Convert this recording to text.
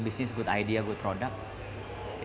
bisnis yang bagus ide yang bagus produk yang bagus